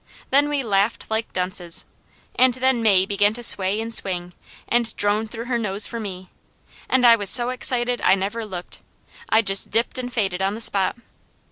Then we laughed like dunces, and then May began to sway and swing, and drone through her nose for me, and I was so excited I never looked. I just dipped and faded on the spot.